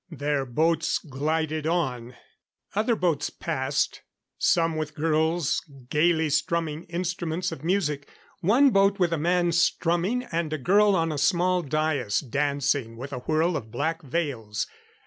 Their boats glided on. Other boats passed; some with girls gayly strumming instruments of music. One boat with a man strumming, and a girl on a small dais, dancing with a whirl of black veils.